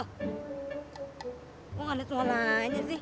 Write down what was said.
kok nggak ada cengolanya sih